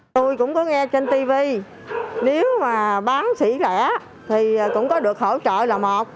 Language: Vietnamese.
tôi cũng có nghe trên tv nếu mà bán xỉ lẻ thì cũng có được hỗ trợ là một